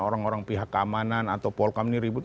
orang orang pihak keamanan atau polkam ini ribut